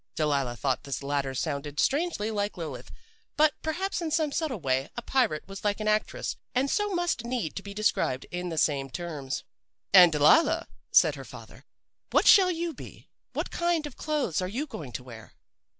"Delilah thought this latter sounded strangely like Lilith but perhaps in some subtle way a pirate was like an actress, and so must need be described in the same terms. "'And Delilah,' said her father, 'what shall you be what kind of clothes are you going to wear?